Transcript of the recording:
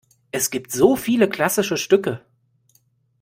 Es gibt so viele klassische Stücke!